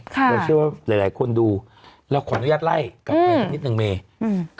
ค่ะเราเชื่อว่าหลายหลายคนดูเราขออนุญาตไล่กับเมฆนิดหนึ่งเมฆ